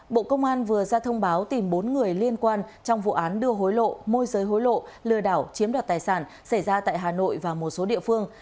bộ công an vừa ra thông báo tìm bốn người liên quan trong vụ án đưa hối lộ môi giới hối lộ lừa đảo chiếm đoạt tài sản xảy ra tại hà nội và một số địa phương